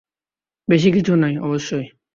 বেশি কিছু নয়, অবশ্যই।